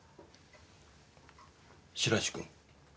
白石君？